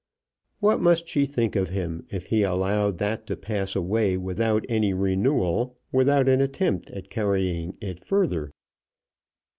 What must she think of him if he allowed that to pass away without any renewal, without an attempt at carrying it further?